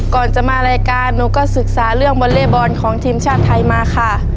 ก่อนจะมารายการหนูก็ศึกษาเรื่องวอเล่บอลของทีมชาติไทยมาค่ะ